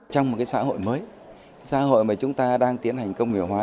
trong một cái xã hội mới xã hội mà chúng ta đang tiến hành công nghiệp hóa